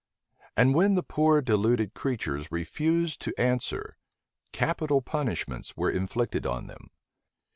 And when the poor deluded creatures refused to answer, capital punishments were inflicted on them.